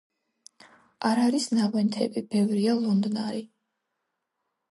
არ არის ნაღვენთები, ბევრია ლოდნარი.